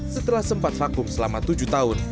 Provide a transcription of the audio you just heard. setelah sempat vakum selama tujuh tahun